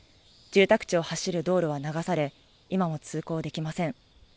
住宅地を走る道路は流され、今も通行できません。